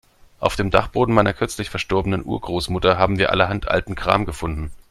Auf dem Dachboden meiner kürzlich verstorbenen Urgroßmutter haben wir allerhand alten Kram gefunden.